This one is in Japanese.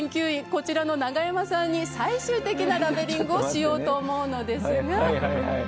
こちらのナガヤマさんに最終的なラベリングをしようと思うのですが。